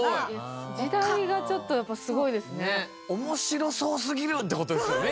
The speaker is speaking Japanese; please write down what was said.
時代がちょっとやっぱすごいですね。って事ですよね